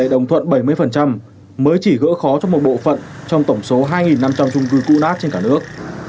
tỷ lệ đồng thuận bảy mươi mới chỉ gỡ khó cho một bộ phận trong tổng số hai năm trăm linh trung cư cú nát trên cả nước